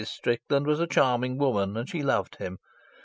Strickland was a charming woman, and she loved him.